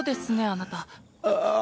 あなたああ